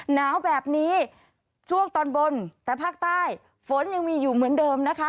หนาวแบบนี้ช่วงตอนบนแต่ภาคใต้ฝนยังมีอยู่เหมือนเดิมนะคะ